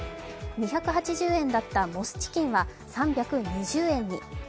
２８０円だったモスチキンは３２０円に。